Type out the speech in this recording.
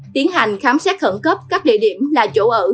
tiến hành khám xét khẩn cấp các địa điểm là chỗ ở